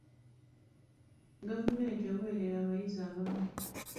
Gavumenti eweerera abayizi abamu.